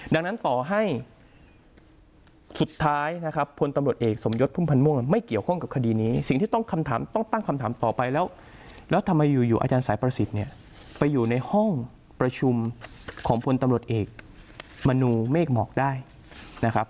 ดังนั้นต่อให้สุดท้ายนะครับพลตำรวจเอกสมยศพุ่มพันธ์ม่วงไม่เกี่ยวข้องกับคดีนี้สิ่งที่ต้องคำถามต้องตั้งคำถามต่อไปแล้วแล้วทำไมอยู่อยู่อาจารย์สายประสิทธิ์เนี่ยไปอยู่ในห้องประชุมของพลตำรวจเอกมนูเมฆหมอกได้นะครับ